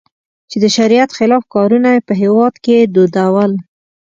چې د شریعت خلاف کارونه یې په هېواد کې دودول.